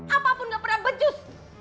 apapun gak pernah becus